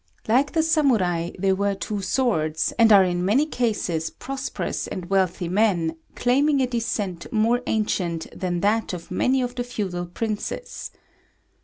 Like the Samurai, they wear two swords, and are in many cases prosperous and wealthy men claiming a descent more ancient than that of many of the feudal Princes.